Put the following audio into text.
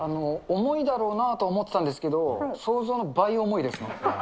重いだろうなとは思ってたんですけど、想像の倍重いですね。